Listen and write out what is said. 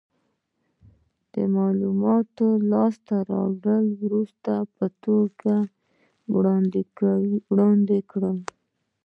د معلوماتو له لاس ته راوړلو وروسته دې په ټولګي کې وړاندې کړې.